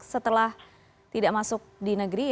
setelah tidak masuk di negeri